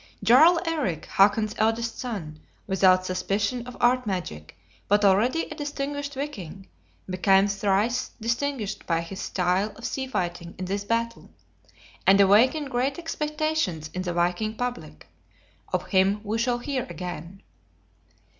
Jarl Eric, Hakon's eldest son, without suspicion of art magic, but already a distinguished viking, became thrice distinguished by his style of sea fighting in this battle; and awakened great expectations in the viking public; of him we shall hear again.